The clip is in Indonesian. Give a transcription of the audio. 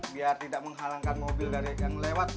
biar tidak menghalangkan mobil dari yang lewat